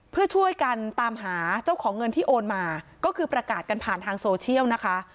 เพื่อช่วยกันตามหาเจ้าของเงินที่โอนมาก็คือประกาศกันผ่านทางโซเชียลนะคะ